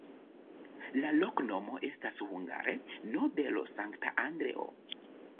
La loknomo estas hungare: nobelo-Sankta Andreo.